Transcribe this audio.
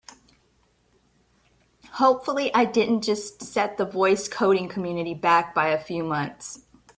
Hopefully I didn't just set the voice coding community back by a few months!